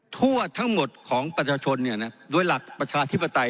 ทั่วทั้งหมดของประชาชนโดยหลักประชาธิปไตย